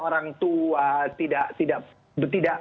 orang tua tidak